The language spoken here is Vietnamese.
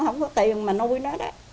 không có tiền mà nuôi nó đó